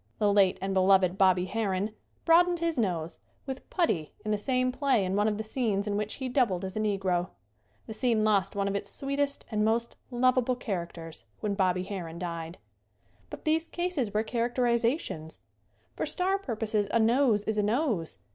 The late and beloved "Bobby" Harron broadened his nose with putty in the same play in one of the scenes in which he doubled as a negro. The screen lost one of its sweetest and most lovable characters when "Bobby" Harron died. But these cases were characterizations. For star purposes a nose is a nose.